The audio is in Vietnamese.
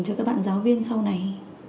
cho các bạn giáo viên sau này